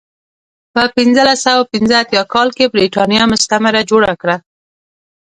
په پنځلس سوه پنځه اتیا کال کې برېټانیا مستعمره جوړه کړه.